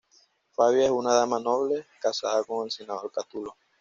Fabia es una dama noble, casada con el senador Catulo.